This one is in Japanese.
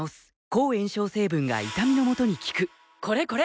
抗炎症成分が痛みのもとに効くこれこれ！